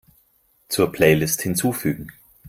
Zur Playlist hinzufügen.